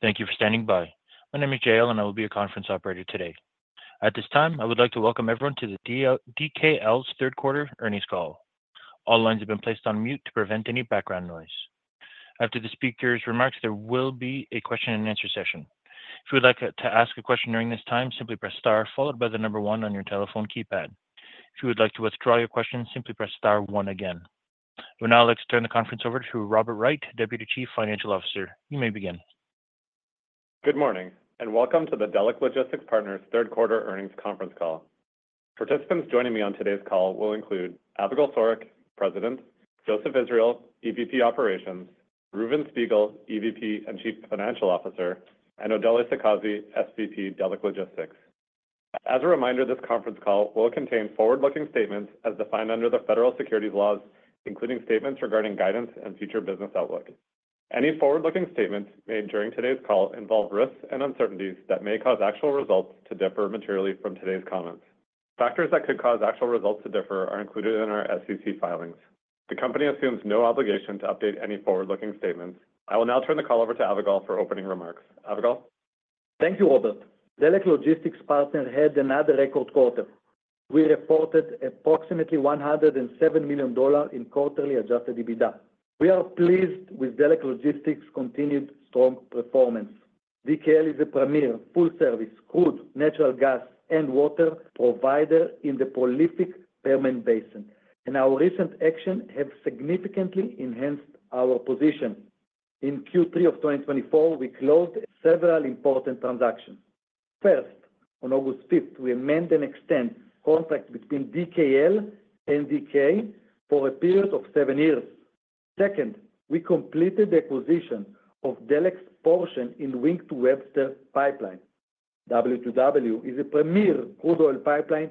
Thank you for standing by. My name is JL and I will be your conference operator today. At this time I would like to welcome everyone to the DKL's third quarter earnings call. All lines have been placed on mute to prevent any background noise. After the speaker's remarks, there will be a question and answer session. If you would like to ask a question during this time, simply press star followed by the number one on your telephone keypad. If you would like to withdraw your question, simply press star one again. Now let's turn the conference over to Robert Wright, Deputy Chief Financial Officer. You may begin. Good morning and welcome to the Delek Logistics Partners third quarter earnings conference call. Participants joining me on today's call will include Avigal Soreq, President, Joseph Israel, EVP Operations, Reuven Spiegel, EVP and Chief Financial Officer, and Odely Sakazi, SVP Delek Logistics. As a reminder, this conference call will contain forward-looking statements as defined under the federal securities laws and including statements regarding guidance and future business outlook. Any forward-looking statements made during today's call involve risks and uncertainties that may cause actual results to differ materially from today's comments. Factors that could cause actual results to differ are included in our SEC filings. The company assumes no obligation to update any forward-looking statements. I will now turn the call over to Avigal for opening remarks. Avigal? Thank you, Robert. Delek Logistics Partners had another record quarter. We reported approximately $107 million in quarterly adjusted EBITDA. We are pleased with Delek Logistics continued strong performance. DKL is a premier full service crude natural gas and water provider in the prolific Permian Basin and our recent actions have significantly enhanced our position. In Q3 of 2024 we closed several important transactions. First, on August 5th we amend and extend contract between DKL and DK for a period of seven years. Second, we completed the acquisition of Delek's portion in Wink to Webster Pipeline. W2W is a premier crude oil pipeline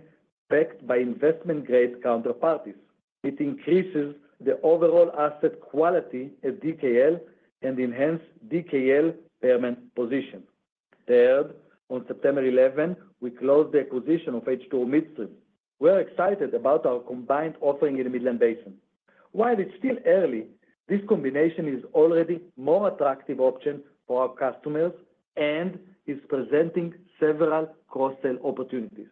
backed by investment grade counterparties. It increases the overall asset quality at DKL and enhanced DKL payor position. Third, on September 11th we closed the acquisition of H2O Midstream. We're excited about our combined offering in the Midland Basin. While it's still early, this combination is already more attractive option for our customers and is presenting several cross sell opportunities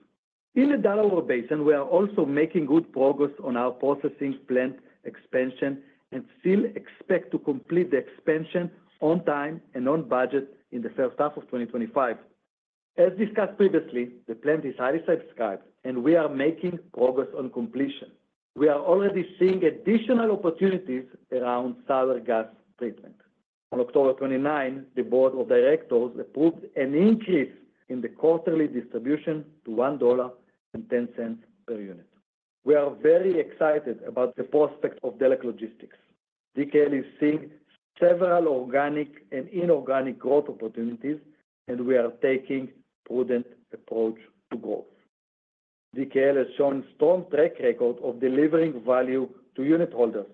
in the Delaware Basin. We are also making good progress on our processing plant and expansion and still expect to complete the expansion on time and on budget in the first half of 2025. As discussed previously, the plant is highly subscribed and we are making progress on completion. We are already seeing additional opportunities around sour gas treatment. On October 29, the Board of Directors approved an increase in the quarterly distribution to $1.10 per unit. We are very excited about the prospect of Delek Logistics. DKL is seeing several organic and inorganic growth opportunities and we are taking prudent approach to growth. DKL has shown strong track record of delivering value to unitholders.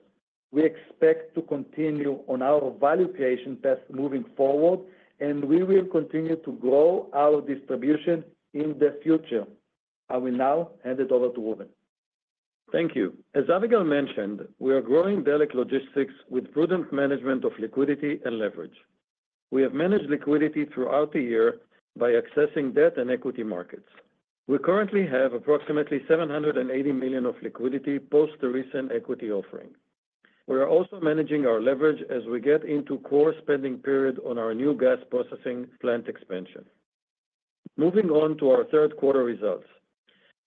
We expect to continue on our value creation path moving forward and we will continue to grow our distribution in the future. I will now hand it over to Reuven. Thank you. As Avigal mentioned, we are growing Delek Logistics with prudent management of liquidity and leverage. We have managed liquidity throughout the year by accessing debt and equity markets. We currently have approximately $780 million of liquidity post the recent equity offering. We are also managing our leverage as we get into core spending period on our new gas processing plant expansion. Moving on to our third quarter results,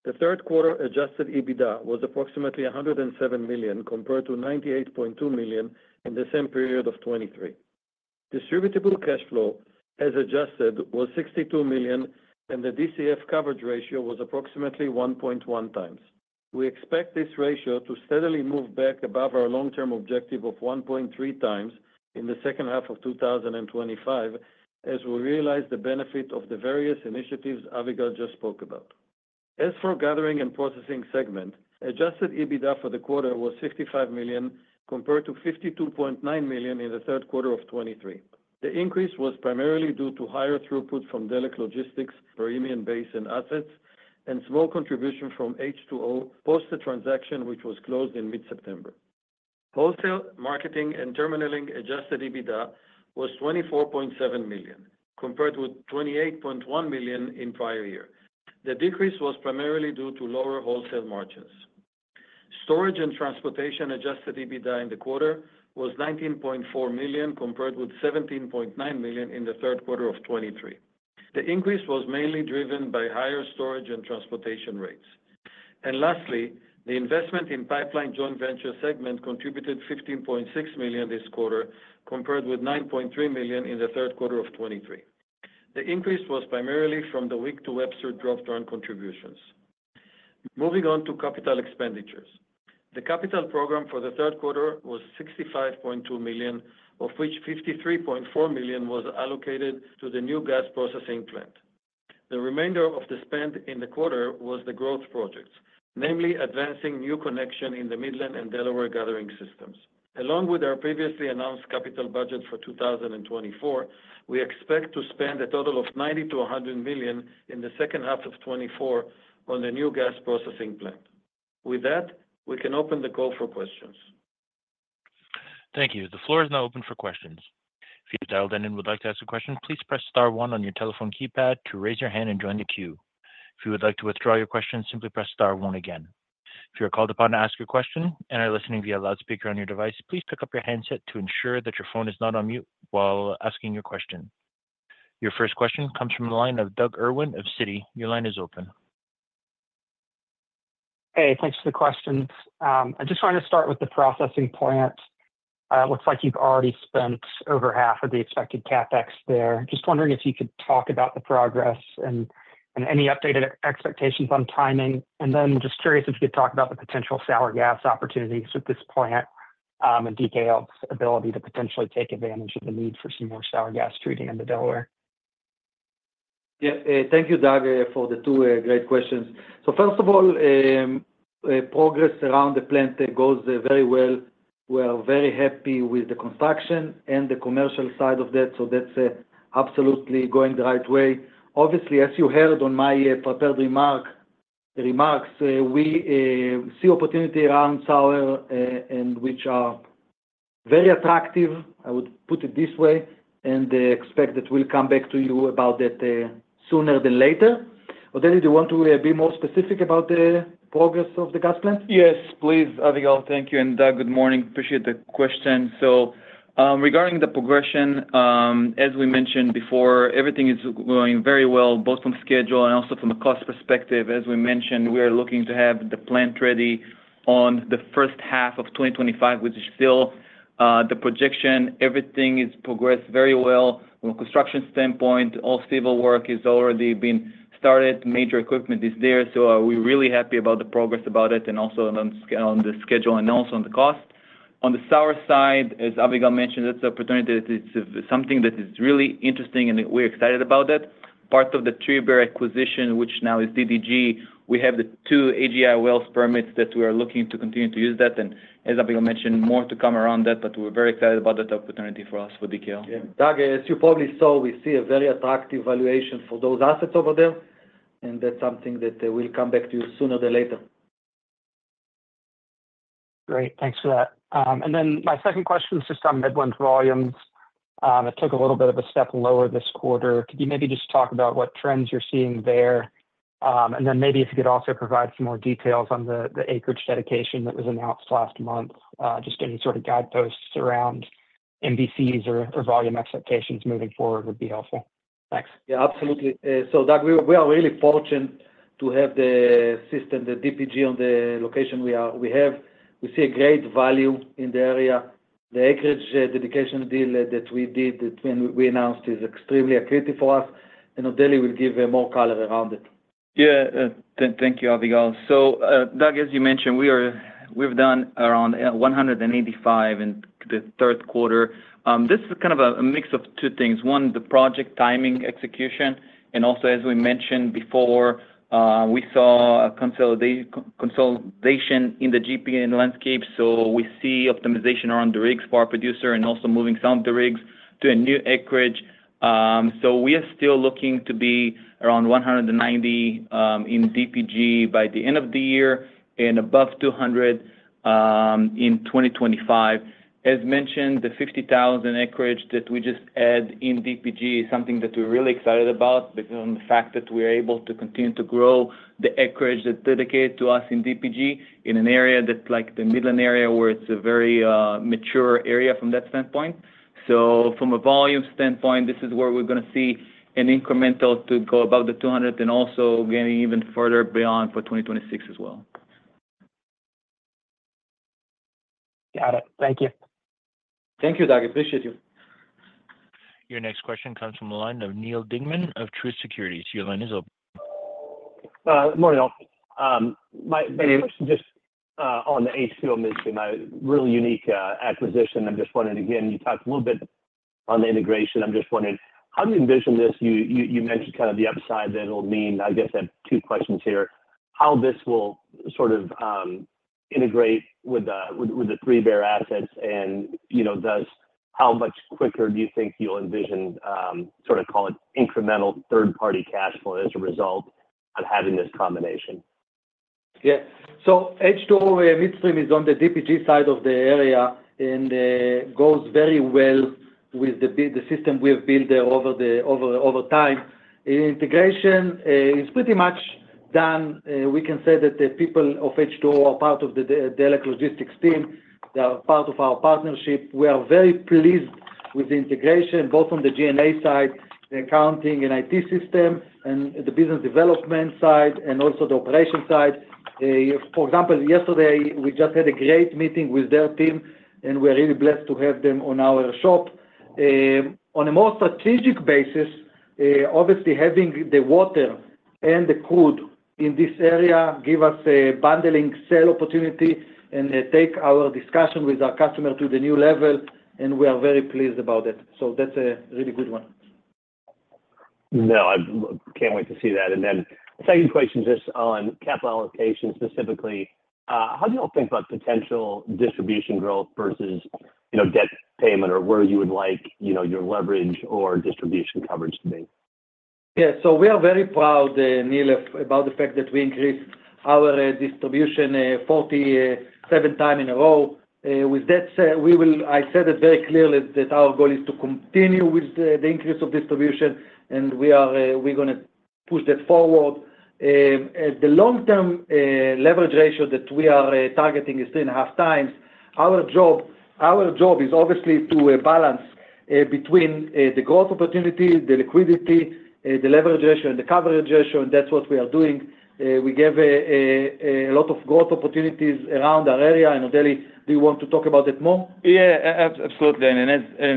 the third quarter adjusted EBITDA was approximately $107 million compared to $98.2 million in the same period of 2023. Distributable cash flow as adjusted was $62 million and the DCF coverage ratio was approximately 1.1 times. We expect this ratio to steadily move back above our long-term objective of 1.3 times in the second half of 2025 as we realize the benefit of the various initiatives Avigal just spoke about. As for gathering and processing segment, adjusted EBITDA for the quarter was $55 million compared to $52.9 million in the third quarter of 2023. The increase was primarily due to higher throughput from Delek Logistics Permian Basin assets and small contribution from H2O post the transaction which was closed in mid-September. Wholesale marketing and terminalling adjusted EBITDA was $24.7 million compared with $28.1 million in prior year. The decrease was primarily due to lower wholesale margins. Storage and transportation adjusted EBITDA in the quarter was $19.4 million compared with $17.9 million in the third quarter of 2023. The increase was mainly driven by higher storage and transportation rates and lastly the investment in pipeline joint venture segment contributed $15.6 million this quarter compared with $9.3 million in the third quarter of 2023. The increase was primarily from the Wink to Webster drop-down contributions moving on to capital expenditures. The capital program for the third quarter was $65.2 million of which $53.4 million was allocated to the new gas processing plant. The remainder of the spend in the quarter was the growth projects, namely advancing new connection in the Midland and Delaware gathering systems. Along with our previously announced capital budget for 2024, we expect to spend a total of $90 million-$100 million in second half of 2024 on the new gas processing plant. With that, we can open the call for questions. Thank you. The floor is now open for questions. If you're dialed in and would like to ask a question, please press star one on your telephone keypad to raise your hand and join the queue. If you would like to withdraw your question, simply press star one again. If you're called upon to ask your question and are listening via a loudspeaker on your device, please pick up your handset to ensure that your phone is not on mute while asking your question. Your first question comes from the line of Doug Irwin of Citi. Your line is open. Hey, thanks for the question. I just wanted to start with the processing plant. It looks like you've already spent over half of the expected CapEx there. Just wondering if you could talk about the progress and any updated expectations on timing, and then just curious if you could talk about the potential sour gas opportunities with this plant and DKL's ability to potentially take advantage of the need for some more sour gas treating in the Delaware. Yeah, thank you Doug for the two great questions. So first of all, progress around the plant goes very well. We are very happy with the construction and the commercial side of that. So that's absolutely going the right way. Obviously, as you heard on my prepared remarks, we see opportunity around sour and which are very attractive. I would put it this way and expect that we'll come back to you about that sooner than later. Odely, do you want to be more specific about the progress of the gas plant? Yes, please. Avigal, thank you. And Doug, good morning. Appreciate the question. So, regarding the progression, as we mentioned before, everything is going very well both from schedule and also from a cost perspective. As we mentioned, we are looking to have the plant ready on the first half of 2025, which is still the projection. Everything is progressed very well from a construction standpoint. All civil work is already being started, major equipment is there. So we're really happy about the progress about it and also on the schedule and also on the cost on the sour side, as Avigal mentioned, that's opportunity. It's something that is really interesting and we're excited about that. Part of the 3 Bear acquisition which now is DDG, we have the two AGI wells permits that we are looking to continue to use that. And as Avigal mentioned more to come around that. But we're very excited about that opportunity for us for DKL. As you probably saw, we see a very attractive valuation for those assets over there, and that's something that we'll come back to sooner than later. Great. Thanks for that. My second question is just on Midland volumes. It took a little bit of a step lower this quarter. Could you maybe just talk about what trends you're seeing there? Maybe if you could also provide some more details on the acreage dedication that was announced last month. Just any sort of guideposts around MVCs or volume expectations moving forward would be helpful. Thanks. Yeah, absolutely. So, Doug, we are really fortunate to have the system, the DPG on the location. We are, we have. We see a great value in the area. The acreage dedication deal that we did when we announced is extremely accretive for us. And Odely will give more color around it. Yeah. Thank you, Avigal. So, Doug, as you mentioned, we've done around 185 in the third quarter. This is kind of a mix of two things. One, the project timing, execution. And also, as we mentioned before, we saw a consolidation in the GP and landscape. So we see optimization around the rigs for our producer and also moving some of the rigs to a new acreage. So we are still looking to be around 190 in DPG by the end of the year and above 200 in 2025. As mentioned, the 50,000 acreage that we just added in DPG is something that we're really excited about because of the fact that we are able to continue to grow the acreage that's dedicated to us in DPG in an area that, like the Midland area, where it's a very mature area from that standpoint. So from a volume standpoint, this is where we're going to see an incremental to go above the 200 and also getting even further beyond for 2026 as well. Got it. Thank you. Thank you, Doug. Appreciate you. Your next question comes from the line of Neal Dingmann of Truist Securities. Your line is open. Morning all. My question just on the H2O Midstream, really unique acquisition. I'm just wondering again, you talked a little bit on the integration. I'm just wondering, how do you envision this? You mentioned kind of the upside that it'll mean. I guess I have two questions here. How this will sort of integrate with the 3 Bear assets and thus how much quicker do you think you'll envision, sort of call it incremental third party cash flow as a result of having this combination. Yeah. So H2O Midstream is on the DPG side of the area and goes very well with the system we have built there over time. Integration is pretty much done. We can say that the people of H2O are part of the Delek Logistics team. They are part of our partnership. We are very pleased with the integration both on the G&A side, the accounting and IT system and the business development side and also the operations side. For example, yesterday we just had a great meeting with their team and we are really blessed to have them on our team on a more strategic basis. Obviously having the water and the crude in this area give us a bundling sales opportunity and take our discussion with our customer to a new level. We are very pleased about it. That's a really good one. No, I can't wait to see that. And then second question, just on capital allocation, specifically, how do you all think about potential distribution, growth versus debt payment or where you would like your leverage or distribution coverage to be? Yeah, so we are very proud, Neal, about the fact that we increased our distribution 47 times in a row. With that said, we will. I said it very clearly that our goal is to continue with the increase of distribution and we are, we're going to push that forward. The long-term leverage ratio that we are targeting is three and a half times. Our job is obviously to balance between the growth opportunity, the liquidity, the leverage ratio and the coverage ratio. And that's what we are doing. We gave a lot of growth opportunities around our area in Odely. Do you want to talk about that more? Yeah, absolutely. And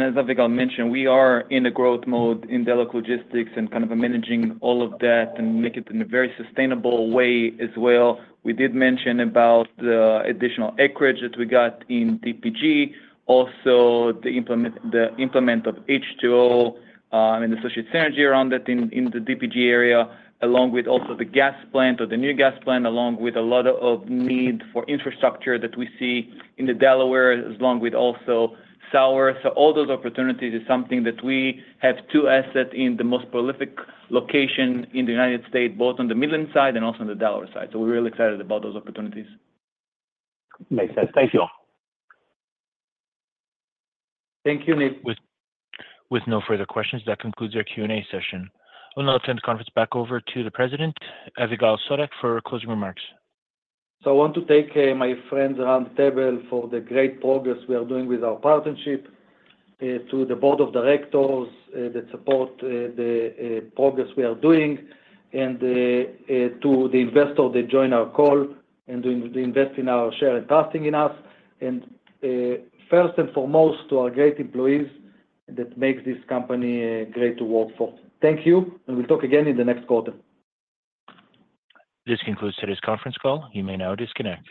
as Avigal mentioned, we are in a growth mode in Delek Logistics and kind of managing all of that and making it in a very sustainable way as well. We did mention about the additional acreage that we got in DPG, also the implementation of H2O and associated synergy around that in the DPG area, along with also the gas plant or the new gas plant, along with a lot of need for infrastructure that we see in the Delaware, along with also sour. So all those opportunities is something that we have two assets in the most prolific location in the United States, both on the Midland side and also on the Delaware side. So we're really excited about those opportunities. Makes sense. Thank you. Thank you, Neal. With no further questions, that concludes our Q&A session. I'll now turn the conference back over to President Avigal Soreq for closing remarks. I want to thank my friends around the table for the great progress we are doing with our partnership. To the board of directors that support the progress we are doing and to the investor that join our call and invest in our share and trusting in us, and first and foremost, to our great employees that makes this company great to work for. Thank you and we'll talk again in the next quarter. This concludes today's conference call. You may now disconnect.